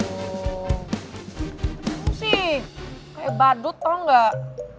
sih kayak badut tau nggak